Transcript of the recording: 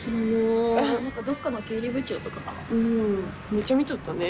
めっちゃ見とったね。